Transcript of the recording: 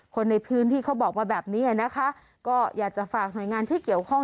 คนในพื้นที่เขาบอกมาแบบนี้นะคะก็อยากจะฝากหน่วยงานที่เกี่ยวข้อง